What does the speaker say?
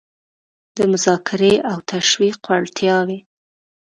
د مذاکرې او تشویق وړتیاوې